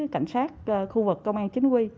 cảnh sát khu vực công an chính quy